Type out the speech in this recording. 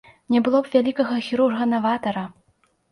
Не было б вялікага хірурга-наватара!